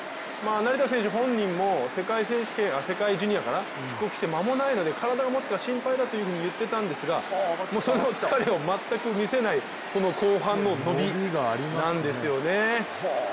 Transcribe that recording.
成田選手本人も、世界ジュニア、帰国して間もないので体が持つか心配だと言っていたんですがその疲れを全く見せない後半の伸びなんですよね。